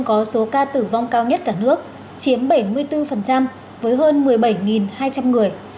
có số ca tử vong cao nhất cả nước chiếm bảy mươi bốn với hơn một mươi bảy hai trăm linh người